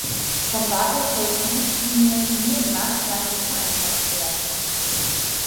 Von daher sollten Richtlinien nur nachrangig vereinfacht werden.